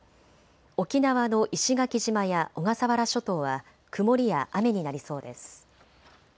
沖縄の石垣島や小笠原諸島は曇りや雨になりそうです。